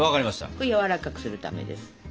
これはやわらかくするためです。